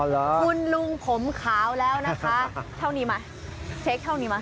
อ๋อเหรอคุณลุงผมขาวแล้วนะคะเท่านี้มั้ยเช็คเท่านี้มั้ย